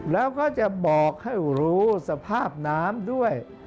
แล้วก็จะบอกให้รู้สภาพน้ำด้วย